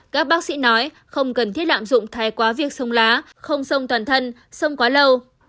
các bác sĩ nói không cần thiết lạm dụng thái quá việc sông lá không sông toàn thân sông quá lâu